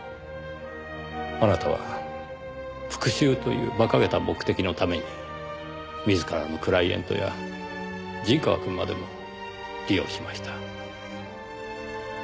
あなたは復讐というバカげた目的のために自らのクライエントや陣川くんまでも利用しました。